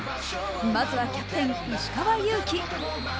まずはキャプテン・石川祐希。